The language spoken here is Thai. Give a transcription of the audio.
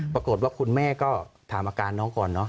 ปรากฏว่าคุณแม่ก็ถามอาการน้องก่อนเนอะ